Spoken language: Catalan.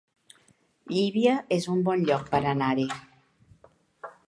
Llívia es un bon lloc per anar-hi